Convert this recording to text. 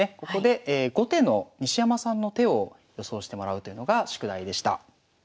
ここで後手の西山さんの手を予想してもらうというのが宿題でした。